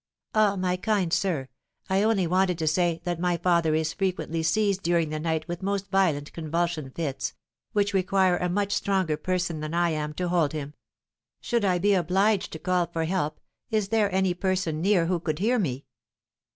"Ah, my kind sir, I only wanted to say that my father is frequently seized during the night with most violent convulsion fits, which require a much stronger person than I am to hold him; should I be obliged to call for help, is there any person near who could hear me?"